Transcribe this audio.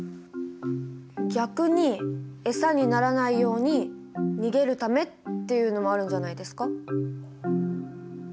逆にエサにならないように逃げるためっていうのもあるんじゃないですか？